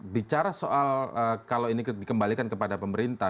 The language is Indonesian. bicara soal kalau ini dikembalikan kepada pemerintah